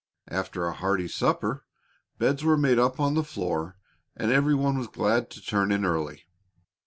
After a hearty supper, beds were made up on the floor and every one was glad to turn in early.